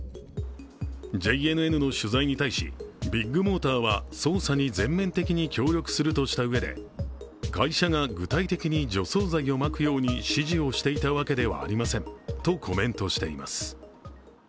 ＪＮＮの取材に対し、ビッグモーターは捜査に全面的に協力するとしたうえで会社が具体的に除草剤をまくように指示をしていたわけではありませんとコメントしています。